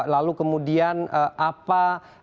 lalu kemudian apa